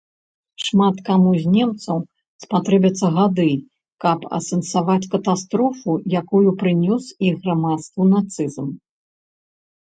Шмат каму з немцаў спатрэбяцца гады, каб асэнсаваць катастрофу, якую прынёс іх грамадству нацызм.